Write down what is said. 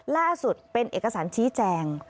ล่าสุดเป็นเอกสารชี้แจง